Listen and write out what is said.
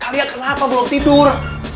kalian kenapa belum tidur